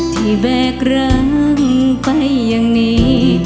แบกร้างไปอย่างนี้